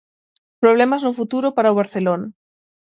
Problemas no futuro para o Barcelona.